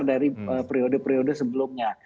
dari periode periode sebelumnya